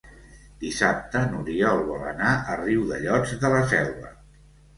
Dissabte n'Oriol vol anar a Riudellots de la Selva.